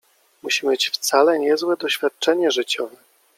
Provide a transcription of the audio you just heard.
musi mieć wcale niezłe doświadczenie życiowe.